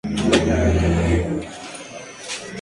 La primera de estas barreras es la fagocitosis.